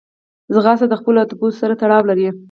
ځغاسته د خپلو اهدافو سره تړاو لري